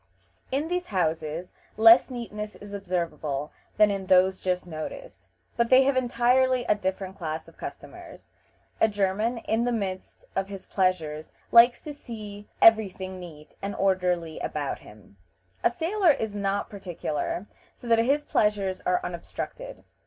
In these houses less neatness is observable than in those just noticed, but they have entirely a different class of customers. A German, in the midst of his pleasures, likes to see every thing neat and orderly about him; a sailor is not particular, so that his pleasures are unobstructed.